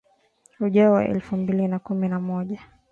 a ujao wa elfu mbili na kumi na moja